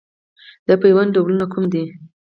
د پیوند ډولونه کوم دي؟